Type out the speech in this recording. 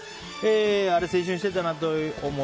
あれは青春してたなぁと思う